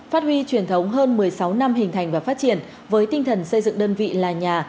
phát huy truyền thống hơn một mươi sáu năm hình thành và phát triển với tinh thần xây dựng đơn vị là nhà